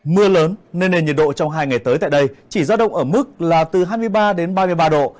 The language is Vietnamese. mưa lớn nên nền nhiệt độ trong hai ngày tới tại đây chỉ ra động ở mức là từ hai mươi ba đến ba mươi ba độ